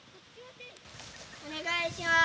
お願いします。